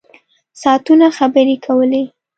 ساعتونه خبرې کولې.